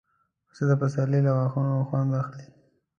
پسه د پسرلي له واښو خوند اخلي.